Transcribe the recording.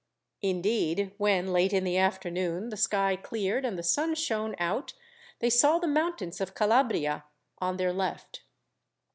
Indeed, when, late in the afternoon, the sky cleared and the sun shone out, they saw the mountains of Calabria on their left.